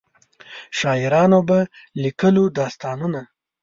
شاعرانو به لیکلو داستانونه.